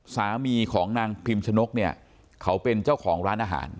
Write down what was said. สามีของนางพิมชนกเนี่ยเขาเป็นเจ้าของร้านอาหาร